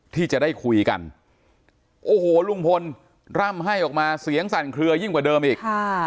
ที่จะได้คุยกันโอ้โหลุงพลร่ำให้ออกมาเสียงสั่นเคลือยิ่งกว่าเดิมอีก